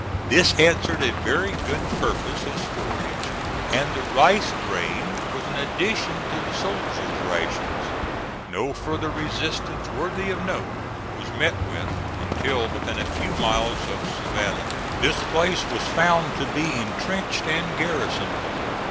This answered a very good purpose as forage, and the rice grain was an addition to the soldier's rations. No further resistance worthy of note was met with, until within a few miles of Savannah. This place was found to be intrenched and garrisoned.